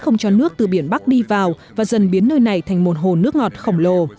nước từ biển bắc đi vào và dần biến nơi này thành một hồ nước ngọt khổng lồ